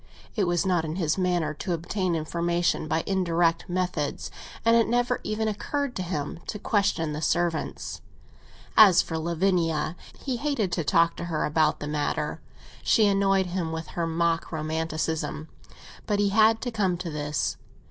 It was not in his manner to obtain information by indirect methods, and it never even occurred to him to question the servants. As for Lavinia, he hated to talk to her about the matter; she annoyed him with her mock romanticism. But he had to come to this.